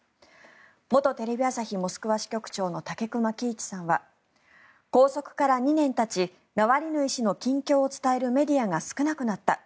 元テレビ朝日モスクワ支局長の武隈喜一さんは拘束から２年たちナワリヌイ氏の近況を伝えるメディアが少なくなった。